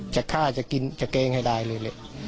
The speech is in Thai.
จะฆ่าจะกินจะแกล้งให้ได้เลยแหละ